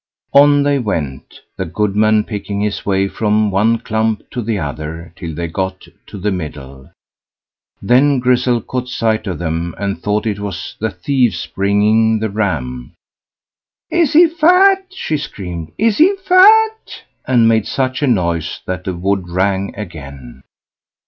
On they went, the goodman picking his way from one clump to the other, till they got to the middle; then Grizzel caught sight of them, and thought it was the thieves bringing the ram. "Is he fat?" she screamed; "is he fat?" and made such a noise that the wood rang again.